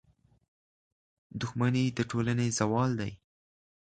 • دښمني د ټولنې زوال دی.